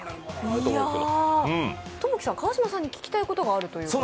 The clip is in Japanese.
ともきさん、川島さんに聞きたいことがあると？